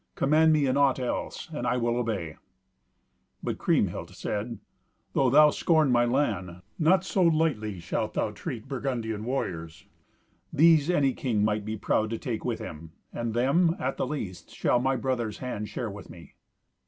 Command me in aught else, and I will obey." But Kriemhild said, "Though thou scorn my land, not so lightly shalt thou treat Burgundian warriors. These any king might be proud to take with him, and them, at the least, shall my brothers' hand share with me."